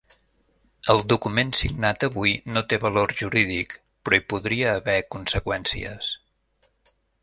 El document signat avui no té valor jurídic, però hi podria haver conseqüències.